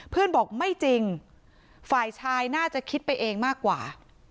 เพื่อนบอกไม่จริงฝ่ายชายน่าจะคิดไปเองมากกว่า